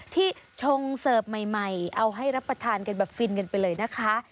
ชงเสิร์ฟใหม่เอาให้รับประทานกันแบบฟินกันไปเลยนะคะ